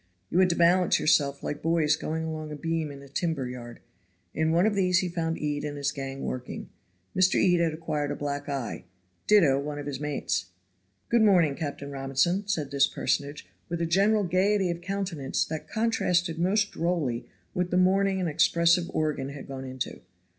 You had to balance yourself like boys going along a beam in a timber yard. In one of these he found Ede and his gang working. Mr. Ede had acquired a black eye, ditto one of his mates. "Good morning, Captain Robinson," said this personage, with a general gayety of countenance that contrasted most drolly with the mourning an expressive organ had gone into.